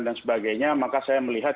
dan sebagainya maka saya melihat